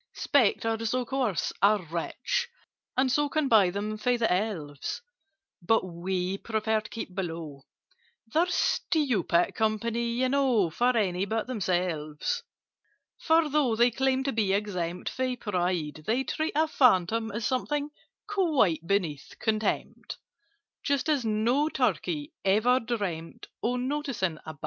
"Spectres of course are rich, and so Can buy them from the Elves: But we prefer to keep below— They're stupid company, you know, For any but themselves: "For, though they claim to be exempt From pride, they treat a Phantom As something quite beneath contempt— Just as no Turkey ever dreamt Of noticing a Bantam."